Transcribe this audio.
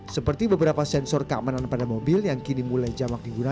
seperti beberapa sensor keamanan pada mobil yang kini mulai jamak digunakan